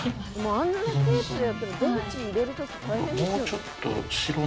あんなにテープでやったら電池入れる時大変ですよね